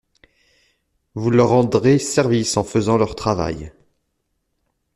Vous leur rendrez service en faisant leur travail.